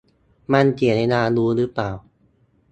มันเสียเวลา รู้หรือเปล่า